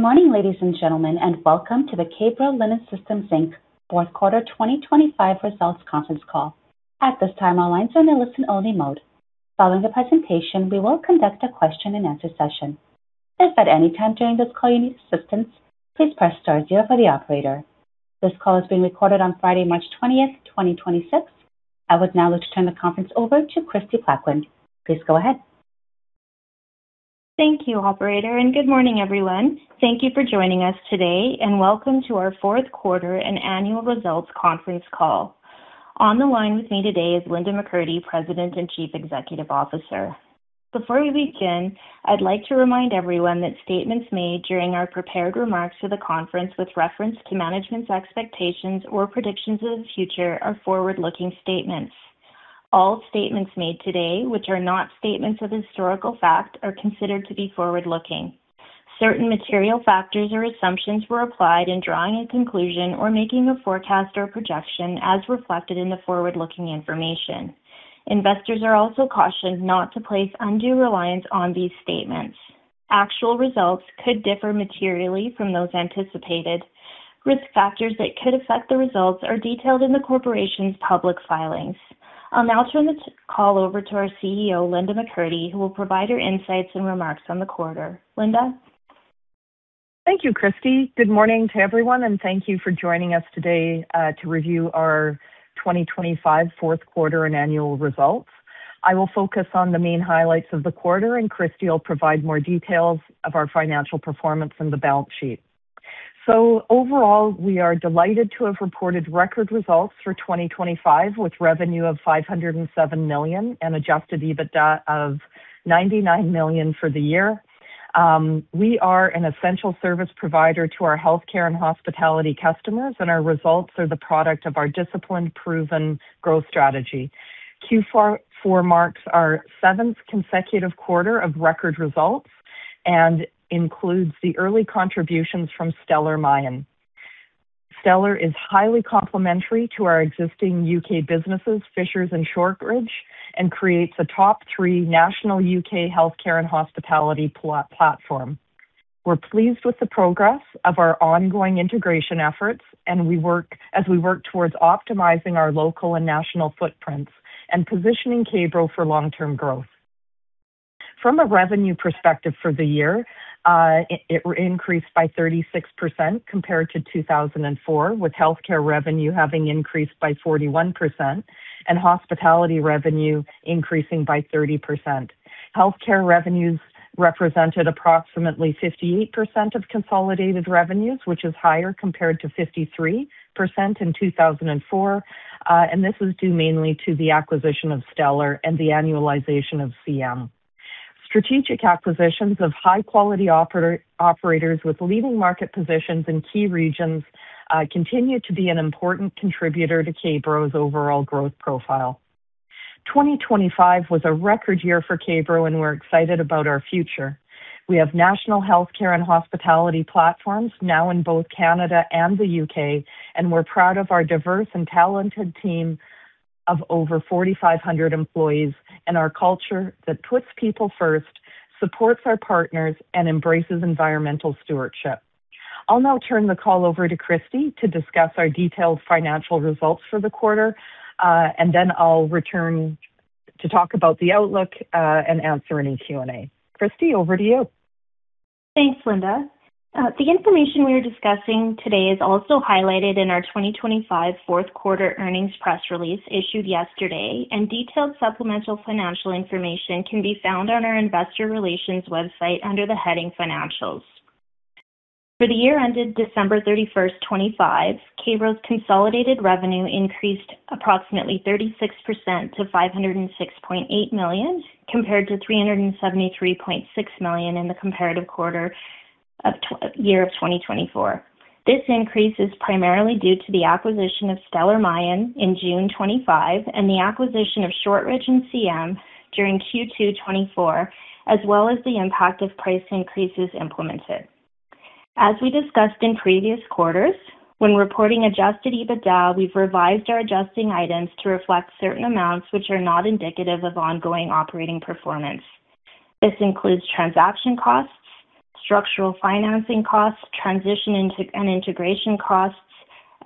Good morning, ladies and gentlemen, and welcome to the K-Bro Linen Inc. fourth quarter 2025 results conference call. At this time, all lines are in a listen-only mode. Following the presentation, we will conduct a question-and-answer session. If at any time during this call you need assistance, please press star zero for the operator. This call is being recorded on Friday, March 20, 2026. I would now like to turn the conference over to Kristie Plaquin. Please go ahead. Thank you, operator, and good morning, everyone. Thank you for joining us today, and welcome to our fourth quarter and annual results conference call. On the line with me today is Linda McCurdy, President and Chief Executive Officer. Before we begin, I'd like to remind everyone that statements made during our prepared remarks for the conference with reference to management's expectations or predictions of the future are forward-looking statements. All statements made today, which are not statements of historical fact, are considered to be forward-looking. Certain material factors or assumptions were applied in drawing a conclusion or making a forecast or projection as reflected in the forward-looking information. Investors are also cautioned not to place undue reliance on these statements. Actual results could differ materially from those anticipated. Risk factors that could affect the results are detailed in the corporation's public filings. I'll now turn the call over to our CEO, Linda McCurdy, who will provide her insights and remarks on the quarter. Linda. Thank you, Kristie. Good morning to everyone, and thank you for joining us today, to review our 2025 fourth quarter and annual results. I will focus on the main highlights of the quarter, and Kristie will provide more details of our financial performance and the balance sheet. Overall, we are delighted to have reported record results for 2025, with revenue of 507 million and adjusted EBITDA of 99 million for the year. We are an essential service provider to our healthcare and hospitality customers, and our results are the product of our disciplined, proven growth strategy. Q4 marks our seventh consecutive quarter of record results and includes the early contributions from Stellar Mayan. Stellar Mayan is highly complementary to our existing U.K. businesses, Fishers and Shortridge, and creates a top three national U.K. healthcare and hospitality platform. We're pleased with the progress of our ongoing integration efforts, and we work towards optimizing our local and national footprints and positioning K-Bro for long-term growth. From a revenue perspective for the year, it increased by 36% compared to 2024, with healthcare revenue having increased by 41% and hospitality revenue increasing by 30%. Healthcare revenues represented approximately 58% of consolidated revenues, which is higher compared to 53% in 2024. This is due mainly to the acquisition of Stellar Mayan and the annualization of CM. Strategic acquisitions of high-quality operators with leading market positions in key regions continue to be an important contributor to K-Bro's overall growth profile. 2025 was a record year for K-Bro, and we're excited about our future. We have national healthcare and hospitality platforms now in both Canada and the U.K., and we're proud of our diverse and talented team of over 4,500 employees and our culture that puts people first, supports our partners, and embraces environmental stewardship. I'll now turn the call over to Kristie to discuss our detailed financial results for the quarter, and then I'll return to talk about the outlook, and answer any Q&A. Kristie, over to you. Thanks, Linda. The information we are discussing today is also highlighted in our 2025 fourth quarter earnings press release issued yesterday, and detailed supplemental financial information can be found on our investor relations website under the heading Financials. For the year ended December 31st, 2025, K-Bro's consolidated revenue increased approximately 36% to 506.8 million, compared to 373.6 million in the comparative year of 2024. This increase is primarily due to the acquisition of Stellar Mayan in June 2025 and the acquisition of Shortridge and CM during Q2 2024, as well as the impact of price increases implemented. As we discussed in previous quarters, when reporting adjusted EBITDA, we've revised our adjusting items to reflect certain amounts which are not indicative of ongoing operating performance. This includes transaction costs, structural financing costs, transition and integration costs,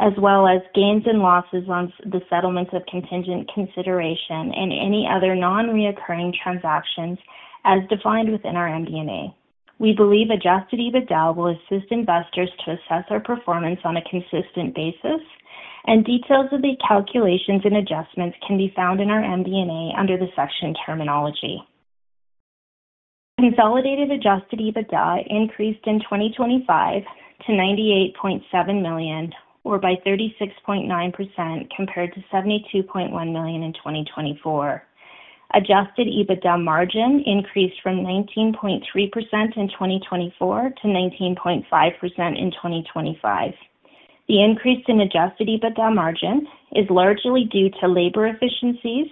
as well as gains and losses on the settlements of contingent consideration and any other non-recurring transactions as defined within our MD&A. We believe adjusted EBITDA will assist investors to assess our performance on a consistent basis, and details of the calculations and adjustments can be found in our MD&A under the section Terminology. Consolidated adjusted EBITDA increased in 2025 to 98.7 million or by 36.9% compared to 72.1 million in 2024. Adjusted EBITDA margin increased from 19.3% in 2024 to 19.5% in 2025. The increase in adjusted EBITDA margin is largely due to labor efficiencies,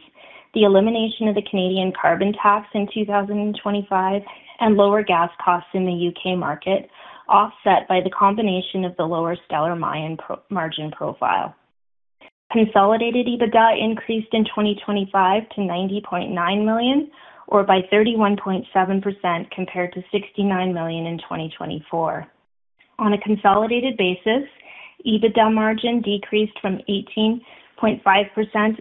the elimination of the Canadian carbon tax in 2025, and lower gas costs in the U.K. market, offset by the combination of the lower Stellar Mayan margin profile. Consolidated EBITDA increased in 2025 to 90.9 million or by 31.7% compared to 69 million in 2024. On a consolidated basis, EBITDA margin decreased from 18.5%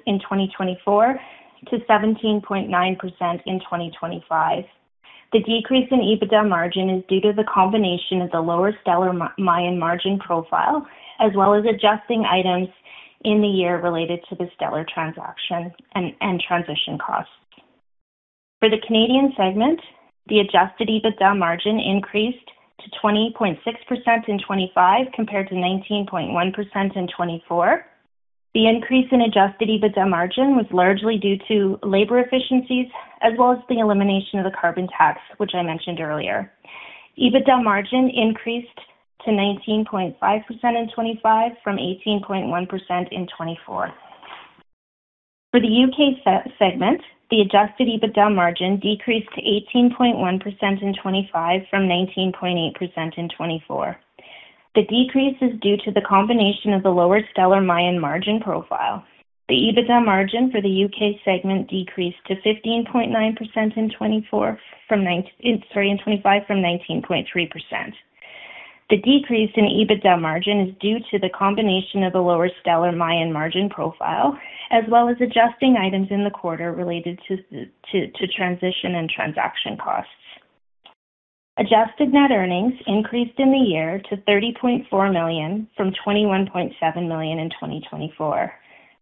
in 2024 to 17.9% in 2025. The decrease in EBITDA margin is due to the combination of the lower Stellar Mayan margin profile, as well as adjusting items in the year related to the Stellar Mayan transaction and transition costs. For the Canadian segment, the adjusted EBITDA margin increased to 20.6% in 2025 compared to 19.1% in 2024. The increase in adjusted EBITDA margin was largely due to labor efficiencies as well as the elimination of the carbon tax, which I mentioned earlier. EBITDA margin increased to 19.5% in 2025 from 18.1% in 2024. For the U.K. segment, the adjusted EBITDA margin decreased to 18.1% in 2025 from 19.8% in 2024. The decrease is due to the combination of the lower Stellar Mayan margin profile. The EBITDA margin for the U.K. segment decreased to 15.9% in 2025 from 19.3%. The decrease in EBITDA margin is due to the combination of the lower Stellar Mayan margin profile, as well as adjustment items in the quarter related to transition and transaction costs. Adjusted net earnings increased in the year to 30.4 million from 21.7 million in 2024.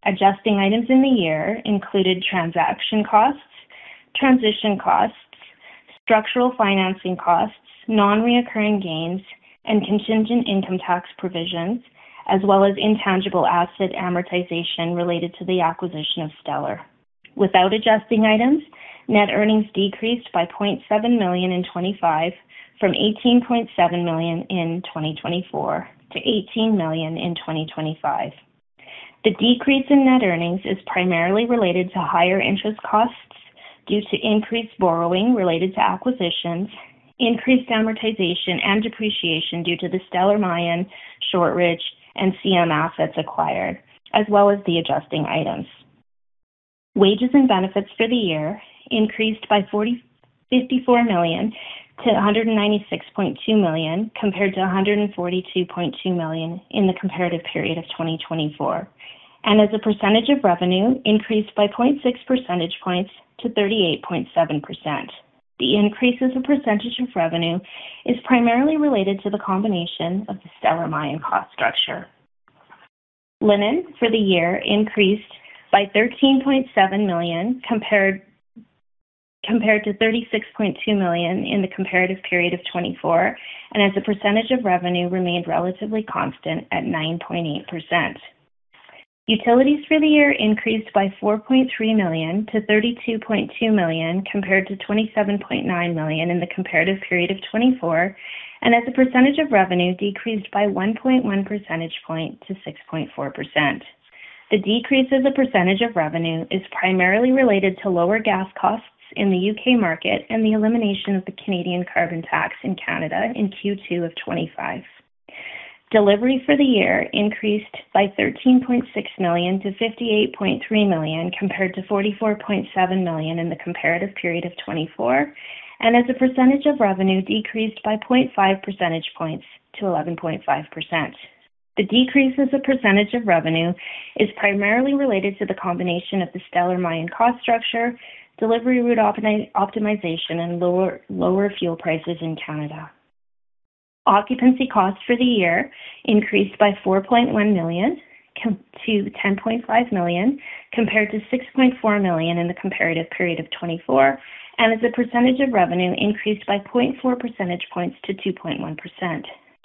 Adjusting items in the year included transaction costs, transition costs, structural financing costs, non-recurring gains, and contingent income tax provisions, as well as intangible asset amortization related to the acquisition of Stellar Mayan. Without adjusting items, net earnings decreased by 0.7 million in 2025 from 18.7 million in 2024 to 18 million in 2025. The decrease in net earnings is primarily related to higher interest costs due to increased borrowing related to acquisitions, increased amortization and depreciation due to the Stellar Mayan, Shortridge, and CM assets acquired, as well as the adjusting items. Wages and benefits for the year increased by 54 million-196.2 million, compared to 142.2 million in the comparative period of 2024, and as a percentage of revenue increased by 0.6 percentage points to 38.7%. The increase as a percentage of revenue is primarily related to the combination of the Stellar Mayan cost structure. Linen for the year increased by 13.7 million compared to 36.2 million in the comparative period of 2024, and as a percentage of revenue remained relatively constant at 9.8%. Utilities for the year increased by 4.3 million to 32.2 million, compared to 27.9 million in the comparative period of 2024, and as a percentage of revenue decreased by 1.1 percentage points to 6.4%. The decrease as a percentage of revenue is primarily related to lower gas costs in the U.K. market and the elimination of the Canadian carbon tax in Canada in Q2 of 2025. Delivery for the year increased by 13.6 million to 58.3 million, compared to 44.7 million in the comparative period of 2024, and as a percentage of revenue decreased by 0.5 percentage points to 11.5%. The decrease as a percentage of revenue is primarily related to the combination of the Stellar Mayan cost structure, delivery route optimization, and lower fuel prices in Canada. Occupancy costs for the year increased by 4.1 million compared to 10.5 million, compared to 6.4 million in the comparative period of 2024, and as a percentage of revenue increased by 0.4 percentage points to 2.1%.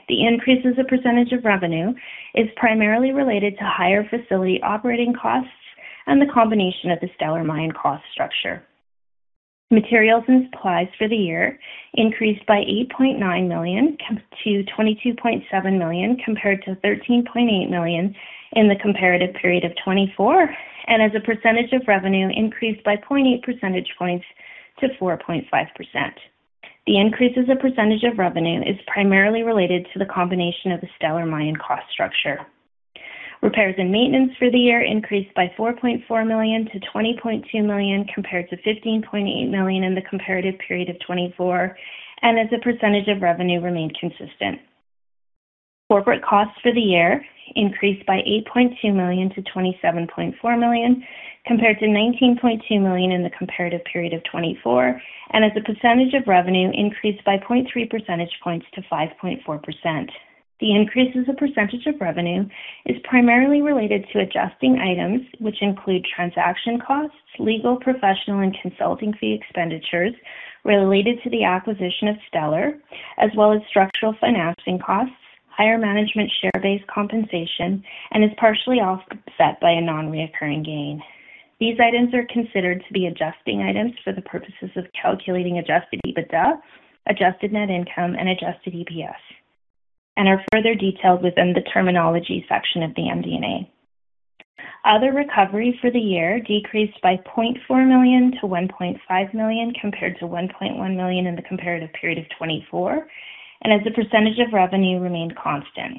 The increase as a percentage of revenue is primarily related to higher facility operating costs and the combination of the Stellar Mayan cost structure. Materials and supplies for the year increased by 8.9 million to 22.7 million, compared to 13.8 million in the comparative period of 2024, and as a percentage of revenue increased by 0.8 percentage points to 4.5%. The increase as a percentage of revenue is primarily related to the combination of the Stellar Mayan cost structure. Repairs and maintenance for the year increased by 4.4 million to 20.2 million compared to 15.8 million in the comparative period of 2024, and as a percentage of revenue remained consistent. Corporate costs for the year increased by 8.2 million to 27.4 million, compared to 19.2 million in the comparative period of 2024, and as a percentage of revenue increased by 0.3 percentage points to 5.4%. The increase as a percentage of revenue is primarily related to adjusting items which include transaction costs, legal, professional, and consulting fee expenditures related to the acquisition of Stellar Mayan, as well as structural financing costs, higher management share-based compensation, and is partially offset by a non-recurring gain. These items are considered to be adjusting items for the purposes of calculating adjusted EBITDA, adjusted net income, and adjusted EPS, and are further detailed within the terminology section of the MD&A. Other recovery for the year decreased by 0.4 million to 1.5 million compared to 1.1 million in the comparative period of 2024. As a percentage of revenue remained constant.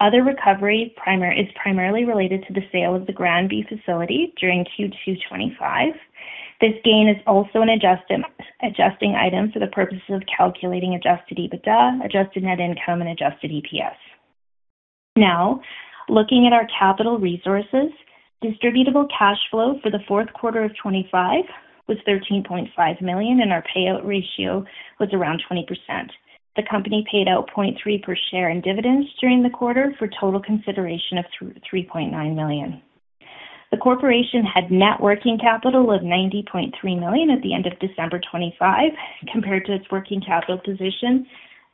Other recovery primarily is primarily related to the sale of the Grande Prairie facility during Q2 2025. This gain is also an adjusting item for the purposes of calculating adjusted EBITDA, adjusted net income and adjusted EPS. Now, looking at our capital resources, distributable cash flow for the fourth quarter of 2025 was 13.5 million and our payout ratio was around 20%. The company paid out 0.3 per share in dividends during the quarter for total consideration of 3.9 million. The corporation had net working capital of 90.3 million at the end of December 2025 compared to its working capital position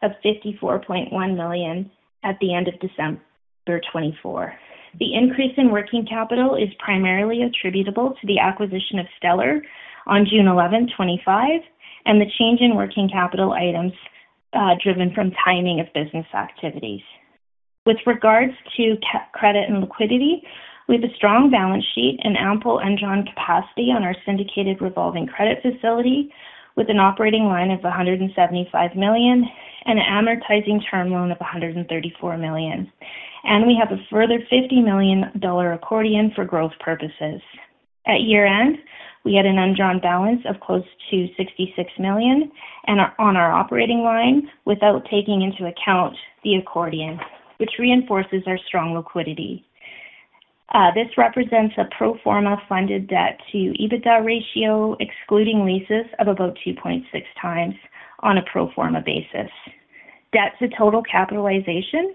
of 54.1 million at the end of December 2024. The increase in working capital is primarily attributable to the acquisition of Stellar Mayan on June 11, 2025, and the change in working capital items driven from timing of business activities. With regards to credit and liquidity, we have a strong balance sheet and ample undrawn capacity on our syndicated revolving credit facility with an operating line of 175 million and an amortizing term loan of 134 million. We have a further 50 million dollar accordion for growth purposes. At year-end, we had an undrawn balance of close to 66 million on our operating line without taking into account the accordion, which reinforces our strong liquidity. This represents a pro forma funded debt to EBITDA ratio, excluding leases, of about 2.6x on a pro forma basis. Debt to total capitalization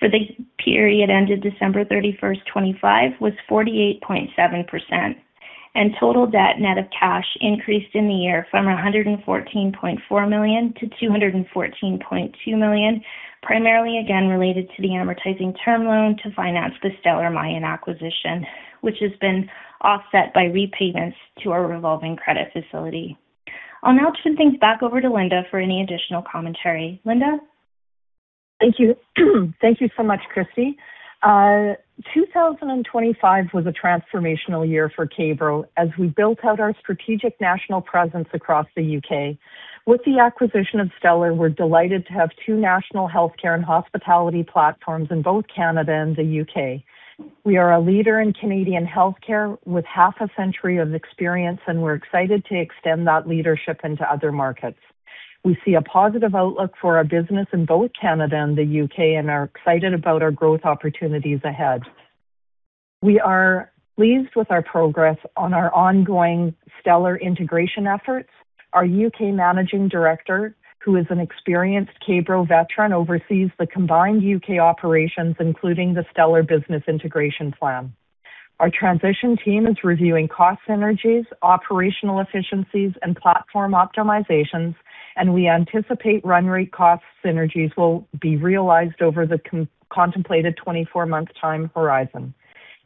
for the period ended December 31st, 2025 was 48.7%, and total debt net of cash increased in the year from 114.4 million to 214.2 million, primarily again related to the amortizing term loan to finance the Stellar Mayan acquisition, which has been offset by repayments to our revolving credit facility. I'll now turn things back over to Linda for any additional commentary. Linda? Thank you. Thank you so much, Kristie. 2025 was a transformational year for K-Bro as we built out our strategic national presence across the U.K. With the acquisition of Stellar Mayan, we're delighted to have two national healthcare and hospitality platforms in both Canada and the U.K. We are a leader in Canadian healthcare with half a century of experience, and we're excited to extend that leadership into other markets. We see a positive outlook for our business in both Canada and the U.K. and are excited about our growth opportunities ahead. We are pleased with our progress on our ongoing Stellar Mayan integration efforts. Our U.K. managing director, who is an experienced K-Bro veteran, oversees the combined U.K. operations, including the Stellar Mayan business integration plan. Our transition team is reviewing cost synergies, operational efficiencies, and platform optimizations, and we anticipate run rate cost synergies will be realized over the contemplated 24-month time horizon.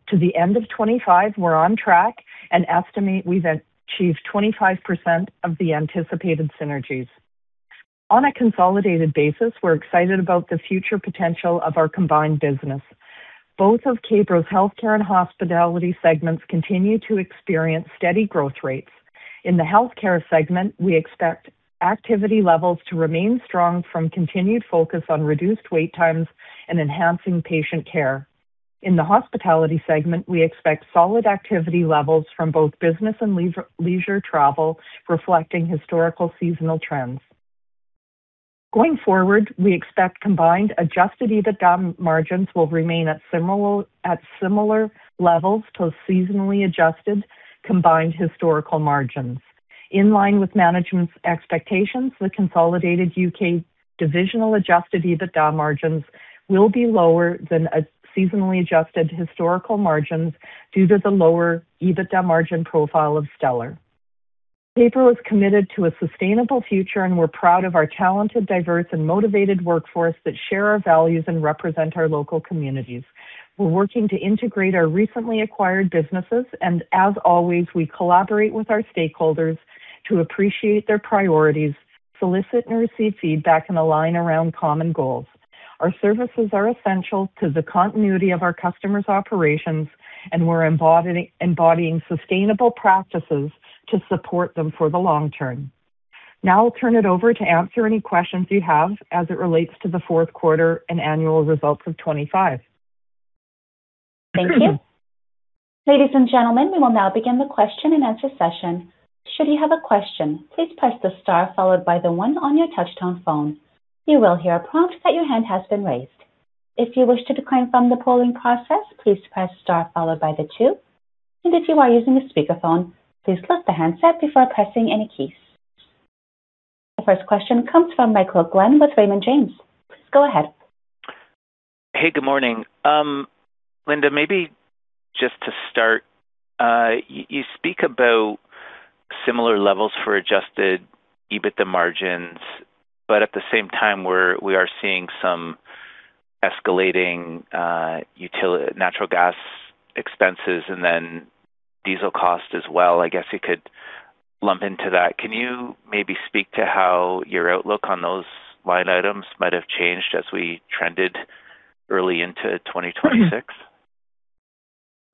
To the end of 2025, we're on track and estimate we've achieved 25% of the anticipated synergies. On a consolidated basis, we're excited about the future potential of our combined business. Both of K-Bro's healthcare and hospitality segments continue to experience steady growth rates. In the healthcare segment, we expect activity levels to remain strong from continued focus on reduced wait times and enhancing patient care. In the hospitality segment, we expect solid activity levels from both business and leisure travel, reflecting historical seasonal trends. Going forward, we expect combined adjusted EBITDA margins will remain at similar levels to seasonally adjusted combined historical margins. In line with management's expectations, the consolidated U.K. divisional adjusted EBITDA margins will be lower than seasonally adjusted historical margins due to the lower EBITDA margin profile of Stellar Mayan. K-Bro is committed to a sustainable future, and we're proud of our talented, diverse, and motivated workforce that share our values and represent our local communities. We're working to integrate our recently acquired businesses, and as always, we collaborate with our stakeholders to appreciate their priorities, solicit and receive feedback, and align around common goals. Our services are essential to the continuity of our customers' operations, and we're embodying sustainable practices to support them for the long term. Now I'll turn it over to answer any questions you have as it relates to the fourth quarter and annual results of 2025. Thank you. Ladies and gentlemen, we will now begin the question and answer session. Should you have a question, please press the star followed by the one on your touchtone phone. You will hear a prompt that your hand has been raised. If you wish to decline from the polling process, please press star followed by the two. If you are using a speakerphone, please clip the handset before pressing any keys. The first question comes from Michael Glen with Raymond James. Please go ahead. Hey, good morning. Linda, maybe just to start, you speak about similar levels for adjusted EBITDA margins, but at the same time we are seeing some escalating natural gas expenses and then diesel cost as well. I guess you could lump into that. Can you maybe speak to how your outlook on those line items might have changed as we trended early into 2026?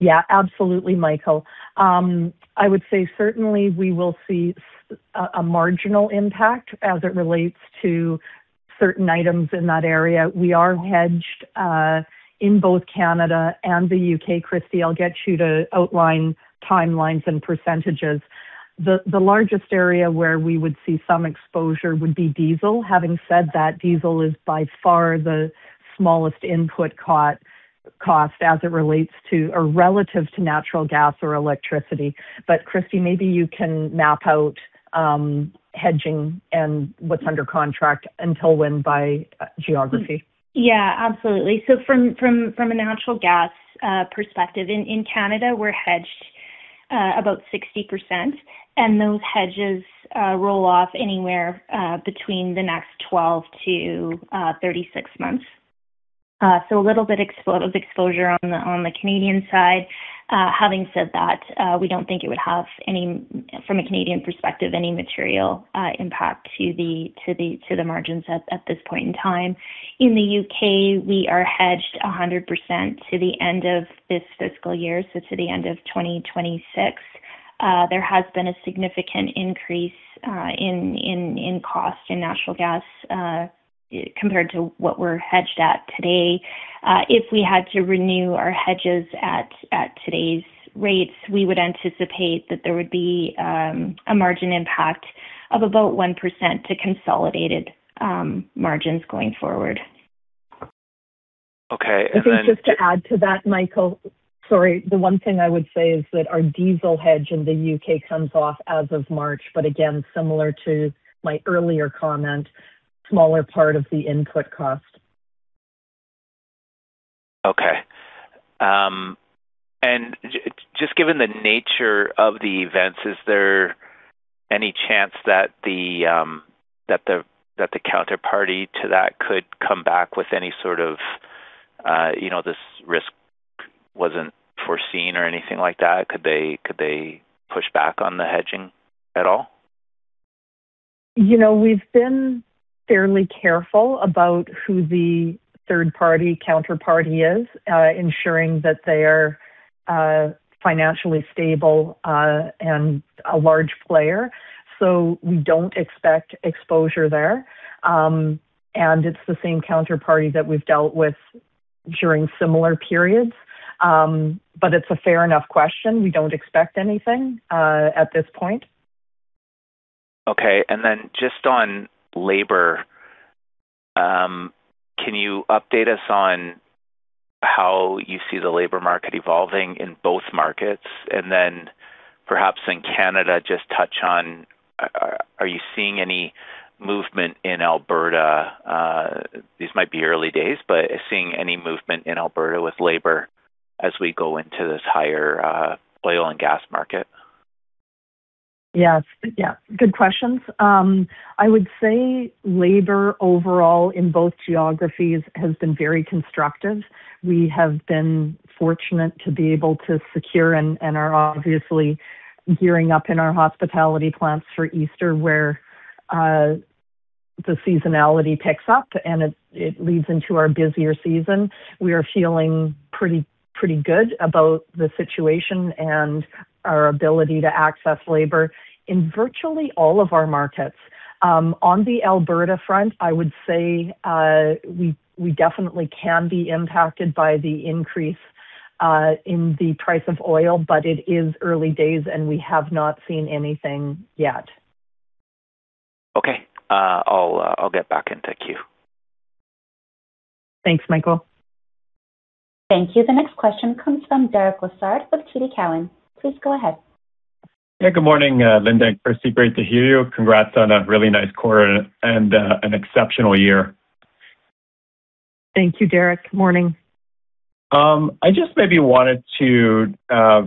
Yeah, absolutely, Michael. I would say certainly we will see a marginal impact as it relates to certain items in that area. We are hedged in both Canada and the U.K. Kristie, I'll get you to outline timelines and percentages. The largest area where we would see some exposure would be diesel. Having said that, diesel is by far the smallest input cost as it relates to or relative to natural gas or electricity. Kristie, maybe you can map out hedging and what's under contract until when by geography. Yeah, absolutely. From a natural gas perspective, in Canada, we're hedged about 60%, and those hedges roll off anywhere between the next 12 to 36 months. A little bit of exposure on the Canadian side. Having said that, from a Canadian perspective, we don't think it would have any material impact to the margins at this point in time. In the U.K., we are hedged 100% to the end of this fiscal year, so to the end of 2026. There has been a significant increase in the cost of natural gas compared to what we're hedged at today. If we had to renew our hedges at today's rates, we would anticipate that there would be a margin impact of about 1% to consolidated margins going forward. Okay. I think just to add to that, Michael. Sorry. The one thing I would say is that our diesel hedge in the U.K. comes off as of March, but again, similar to my earlier comment, smaller part of the input cost. Okay. Just given the nature of the events, is there any chance that the counterparty to that could come back with any sort of, you know, this risk wasn't foreseen or anything like that? Could they push back on the hedging at all? You know, we've been fairly careful about who the third party counterparty is, ensuring that they are financially stable and a large player. We don't expect exposure there. It's the same counterparty that we've dealt with during similar periods. It's a fair enough question. We don't expect anything at this point. Okay. Just on labor, can you update us on how you see the labor market evolving in both markets? Perhaps in Canada, just touch on are you seeing any movement in Alberta? This might be early days, but seeing any movement in Alberta with labor as we go into this higher oil and gas market? Yes. Yeah, good questions. I would say labor overall in both geographies has been very constructive. We have been fortunate to be able to secure and are obviously gearing up in our hospitality plans for Easter, where the seasonality picks up and it leads into our busier season. We are feeling pretty good about the situation and our ability to access labor in virtually all of our markets. On the Alberta front, I would say we definitely can be impacted by the increase in the price of oil, but it is early days, and we have not seen anything yet. Okay. I'll get back into queue. Thanks, Michael. Thank you. The next question comes from Derek Lessard with TD Cowen. Please go ahead. Yeah, good morning, Linda and Kristie. Great to hear you. Congrats on a really nice quarter and an exceptional year. Thank you, Derek. Morning. I just maybe wanted to.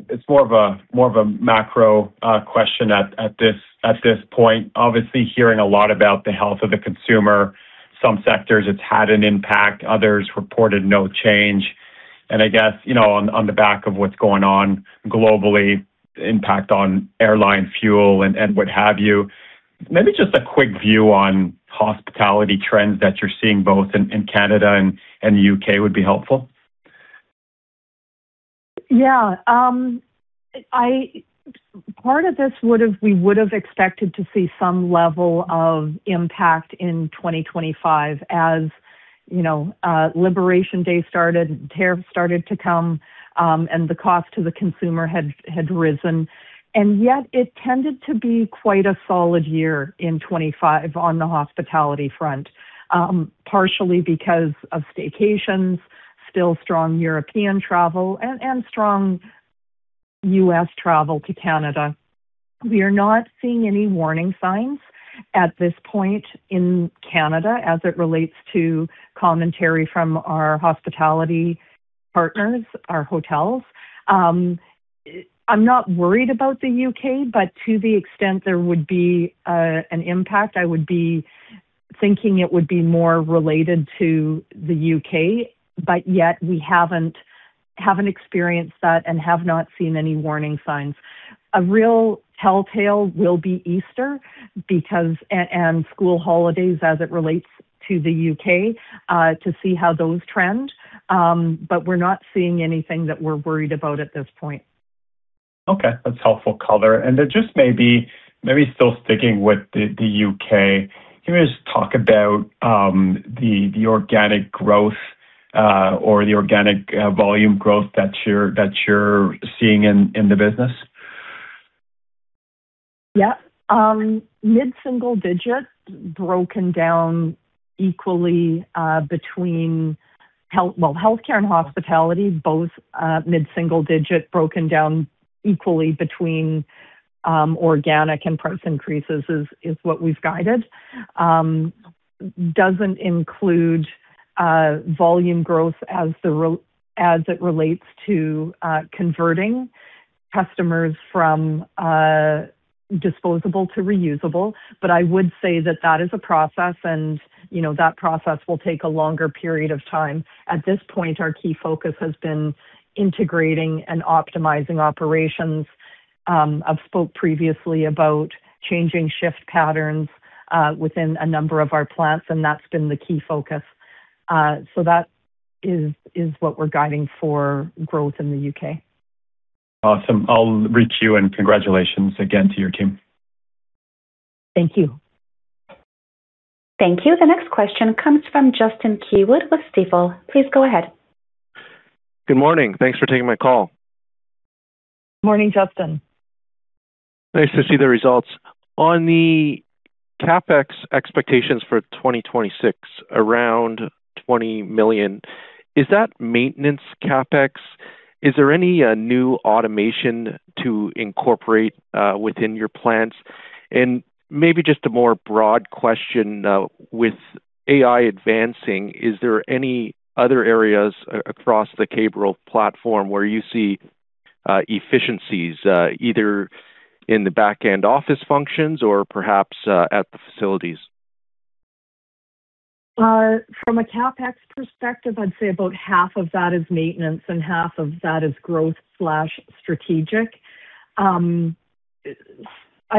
It's more of a macro question at this point. Obviously, hearing a lot about the health of the consumer, some sectors it's had an impact, others reported no change. I guess, you know, on the back of what's going on globally, impact on airline fuel and what have you. Maybe just a quick view on hospitality trends that you're seeing both in Canada and the U.K. would be helpful. Yeah. Part of this we would have expected to see some level of impact in 2025, as, you know, trade liberalization started, tariffs started to come, and the cost to the consumer had risen. Yet it tended to be quite a solid year in 2025 on the hospitality front, partially because of staycations, still strong European travel and strong U.S. travel to Canada. We are not seeing any warning signs at this point in Canada as it relates to commentary from our hospitality partners, our hotels. I'm not worried about the U.K., but to the extent there would be an impact, I would be thinking it would be more related to the U.K., but yet we haven't experienced that and have not seen any warning signs. A real telltale will be Easter because. School holidays as it relates to the U.K., to see how those trend. We're not seeing anything that we're worried about at this point. Okay. That's helpful color. Then just maybe still sticking with the U.K. Can you just talk about the organic growth or the organic volume growth that you're seeing in the business? Yeah. Mid-single digit, broken down equally between healthcare and hospitality, both mid-single digit, broken down equally between organic and price increases is what we've guided. Doesn't include volume growth as it relates to converting customers from disposable to reusable. I would say that is a process, and, you know, that process will take a longer period of time. At this point, our key focus has been integrating and optimizing operations. I've spoke previously about changing shift patterns within a number of our plants, and that's been the key focus. So that is what we're guiding for growth in the U.K.. Awesome. I'll reach you, and congratulations again to your team. Thank you. Thank you. The next question comes from Justin Keywood with Stifel. Please go ahead. Good morning. Thanks for taking my call. Morning, Justin. Nice to see the results. On the CapEx expectations for 2026, around 20 million, is that maintenance CapEx? Is there any new automation to incorporate within your plants? Maybe just a more broad question, with AI advancing, is there any other areas across the K-Bro platform where you see efficiencies, either in the back-end office functions or perhaps at the facilities? From a CapEx perspective, I'd say about half of that is maintenance and half of that is growth/strategic. I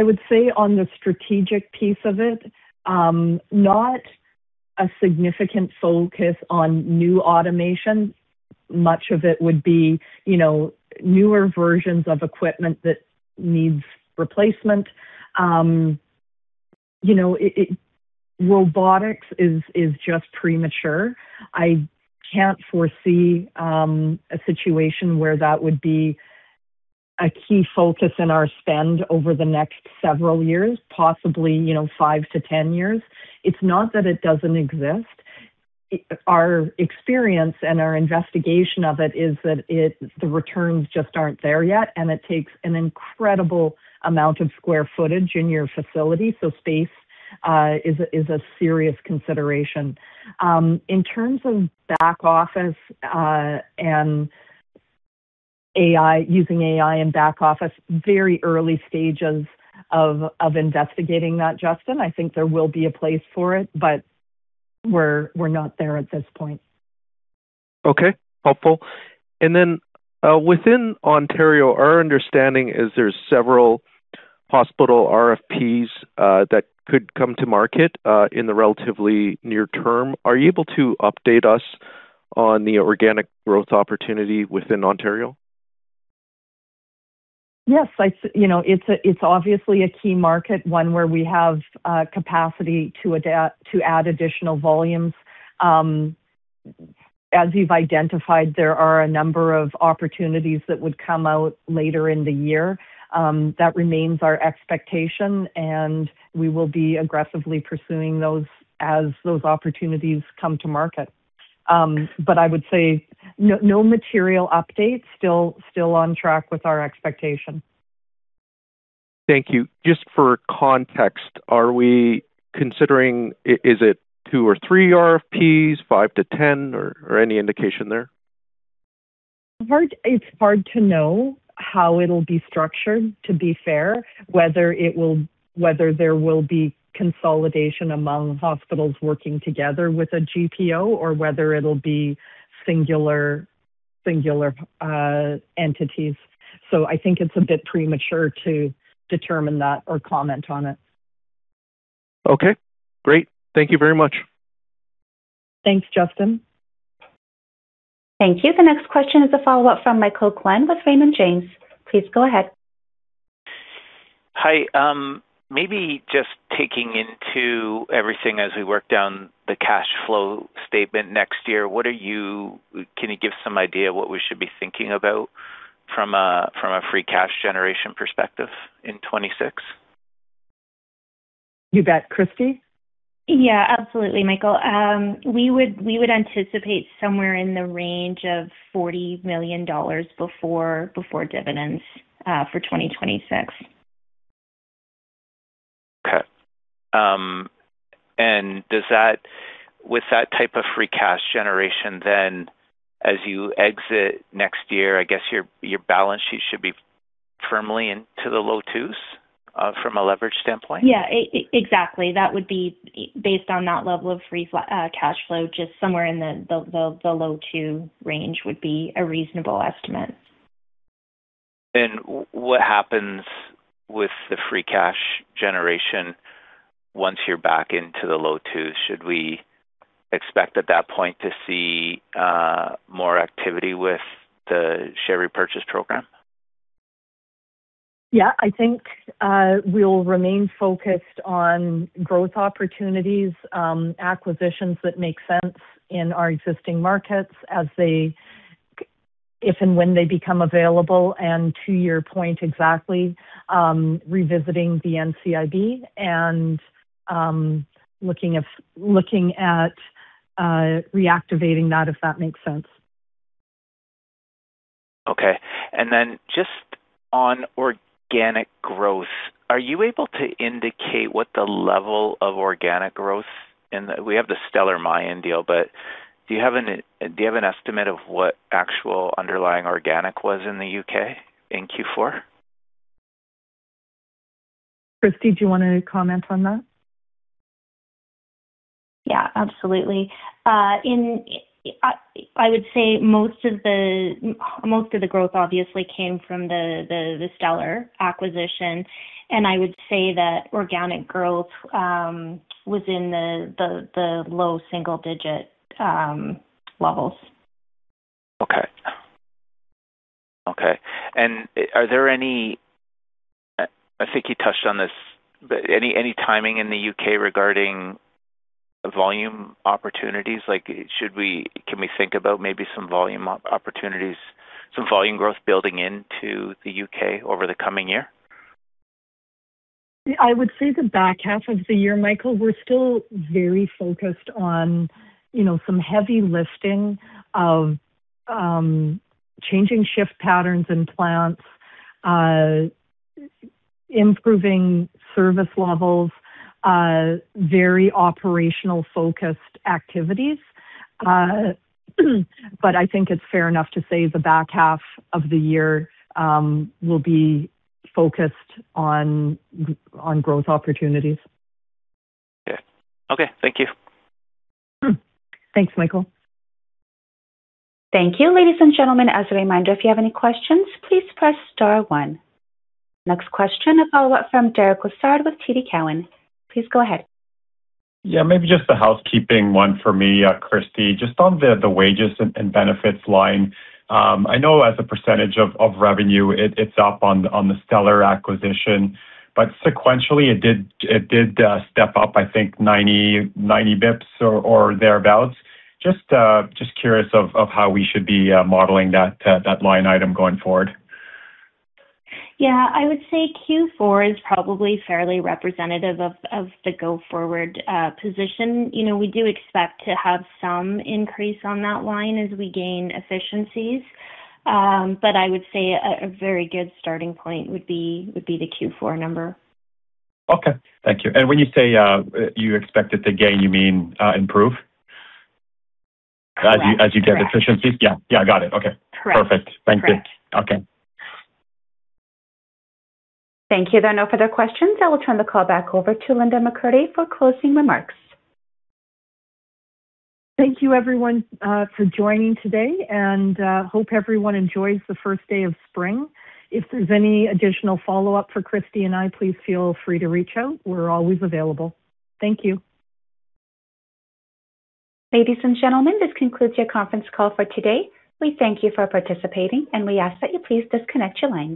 would say on the strategic piece of it, not a significant focus on new automation. Much of it would be, you know, newer versions of equipment that needs replacement. You know, robotics is just premature. I can't foresee a situation where that would be a key focus in our spend over the next several years, possibly, you know, five to 10 years. It's not that it doesn't exist. Our experience and our investigation of it is that it, the returns just aren't there yet, and it takes an incredible amount of square footage in your facility, so space is a serious consideration. In terms of back office and AI, using AI in back office, very early stages of investigating that, Justin. I think there will be a place for it, but we're not there at this point. Okay. Helpful. Within Ontario, our understanding is there's several hospital RFP that could come to market in the relatively near term. Are you able to update us on the organic growth opportunity within Ontario? Yes. You know, it's obviously a key market, one where we have capacity to adapt, to add additional volumes. As you've identified, there are a number of opportunities that would come out later in the year. That remains our expectation, and we will be aggressively pursuing those as those opportunities come to market. I would say no material updates. Still on track with our expectation. Thank you. Just for context, are we considering? Is it two or three RFP, five to 10, or any indication there? It's hard to know how it'll be structured, to be fair, whether there will be consolidation among hospitals working together with a GPO or whether it'll be singular entities. I think it's a bit premature to determine that or comment on it. Okay. Great. Thank you very much. Thanks, Justin. Thank you. The next question is a follow-up from Michael Glen with Raymond James. Please go ahead. Hi. Maybe just taking into everything as we work down the cash flow statement next year, can you give some idea what we should be thinking about from a, from a free cash generation perspective in 2026? You bet. Kristie? Yeah. Absolutely, Michael. We would anticipate somewhere in the range of 40 million dollars before dividends for 2026. With that type of free cash generation, then as you exit next year, I guess your balance sheet should be firmly into the low twos? From a leverage standpoint? Yeah, exactly. That would be based on that level of free cash flow, just somewhere in the low two range would be a reasonable estimate. What happens with the free cash generation once you're back into the low twos? Should we expect at that point to see more activity with the share repurchase program? Yeah. I think we'll remain focused on growth opportunities, acquisitions that make sense in our existing markets as they if and when they become available, and to your point exactly, revisiting the NCIB and looking at reactivating that if that makes sense. Okay. Just on organic growth, are you able to indicate what the level of organic growth. We have the Stellar Mayan deal, but do you have an estimate of what actual underlying organic was in the U.K. in Q4? Kristie, do you wanna comment on that? Yeah, absolutely. I would say most of the growth obviously came from the Stellar Mayan acquisition, and I would say that organic growth was in the low single digit levels. Okay. I think you touched on this, but any timing in the U.K. regarding volume opportunities? Like, can we think about maybe some volume opportunities, some volume growth building into the U.K. over the coming year? I would say the back half of the year, Michael. We're still very focused on, you know, some heavy lifting of changing shift patterns in plants, improving service levels, very operational-focused activities. I think it's fair enough to say the back half of the year will be focused on growth opportunities. Okay. Thank you. Thanks, Michael. Thank you. Ladies and gentlemen, as a reminder, if you have any questions, please press star one. Next question, a follow-up from Derek Lessard with TD Cowen. Please go ahead. Yeah, maybe just a housekeeping one for me, Kristie. Just on the wages and benefits line. I know as a percentage of revenue, it's up on the Stellar Mayan acquisition. Sequentially, it did step up, I think 90 basis points or thereabouts. Just curious of how we should be modeling that line item going forward. Yeah. I would say Q4 is probably fairly representative of the go-forward position. You know, we do expect to have some increase on that line as we gain efficiencies. I would say a very good starting point would be the Q4 number. Okay. Thank you. When you say, you expect it to gain, you mean, improve? Correct. As you get efficiency? Yeah, got it. Okay. Correct. Perfect. Thank you. Correct. Okay. Thank you. There are no further questions. I will turn the call back over to Linda McCurdy for closing remarks. Thank you, everyone, for joining today, and hope everyone enjoys the first day of spring. If there's any additional follow-up for Kristie and I, please feel free to reach out. We're always available. Thank you. Ladies and gentlemen, this concludes your conference call for today. We thank you for participating, and we ask that you please disconnect your lines.